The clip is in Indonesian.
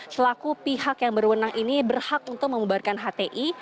selaku pihak yang berwenang ini berhak untuk memubarkan hti